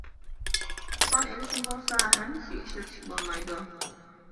قان ئېلىشنى بولسا ھەممىسىگە ئىشلىتىشكە بولمايدۇ.